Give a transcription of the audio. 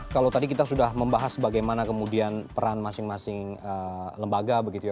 kalau tadi kita sudah membahas bagaimana kemudian peran masing masing lembaga begitu ya